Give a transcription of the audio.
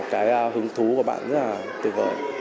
cái hứng thú của bạn rất là tuyệt vời